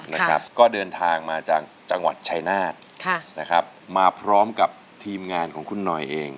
ซึ่งเดินทางมาจากจังหวัดชายนาทมาพร้อมกับทีมงานของคุณหน่อยเอง